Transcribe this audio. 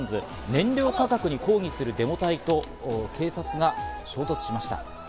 燃料価格に抗議するデモ隊と警察が衝突しました。